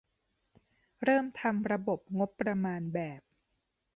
เริ่มทำระบบงบประมาณแบบ